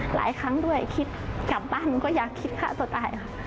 หลายครั้งด้วยคิดกลับบ้านหนูก็อยากคิดฆ่าตัวตายค่ะ